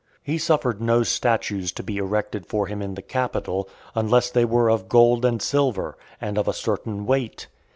He suffered no statues to be erected for him in the Capitol, unless they were of gold and silver, and of a certain weight.